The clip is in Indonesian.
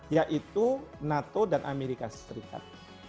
yaitu nato dan amerika serikat